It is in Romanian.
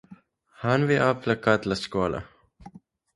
Hanvi a plecat la scoala.